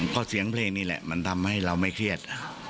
เพราะเสียงเพลงนี่แหละมันทำให้เราไม่เครียด